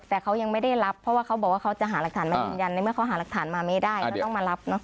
แต่เขายังไม่ได้รับเพราะว่าเขาบอกว่าเขาจะหาหลักฐานมายืนยันในเมื่อเขาหาหลักฐานมาไม่ได้เขาต้องมารับเนอะ